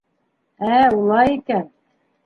— Ә, улай икән.